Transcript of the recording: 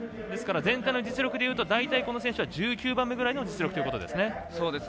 ですから、全体の実力でいうと１９番目ぐらいの実力ということですね。